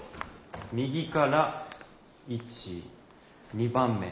右から１２番目。